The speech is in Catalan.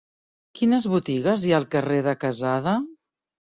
Quines botigues hi ha al carrer de Quesada?